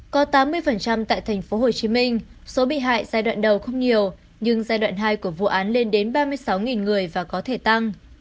có tám mươi tại tp hcm số bị hại giai đoạn đầu không nhiều nhưng giai đoạn hai của vụ án lên đến ba mươi sáu người và có thể tăng